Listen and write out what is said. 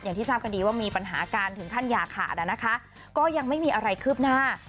อย่างที่ทราบกันดีว่ามีปัญหาการถึงขั้นอย่าขาดนะคะก็ยังไม่มีอะไรคืบหน้า